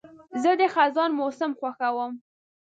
زه د خزان موسم خوښوم.